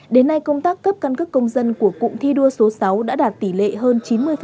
đến nay công tác cấp căn cước công dân của cụm thi đua số sáu đã đạt tỷ lệ hơn chín mươi